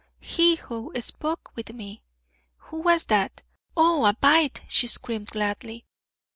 'He who spoke with me.' 'Who was that?' 'Oh! a bite!' she screamed gladly.